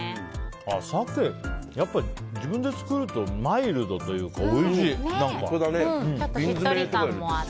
サケ、やっぱ自分で作るとマイルドというかちょっとしっとり感もあって。